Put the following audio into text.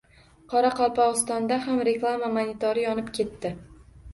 Qoraqalpog‘istonda ham reklama monitori yonib ketdi